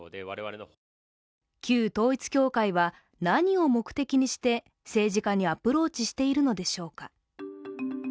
旧統一教会は何を目的にして政治家にアプローチしているのでしょうか。